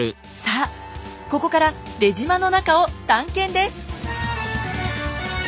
さあここから出島の中を探検です。